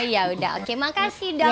ya udah oke makasih dok